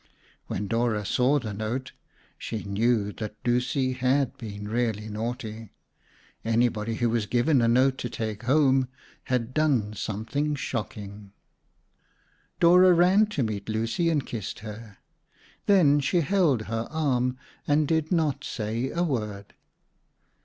When Dora saw the note, she knew that Lucy had been really naughty. Anybody who was given a note to take home had done something shocking. Dora ran to meet Lucy and kissed her. Then she held her arm and did not say a word.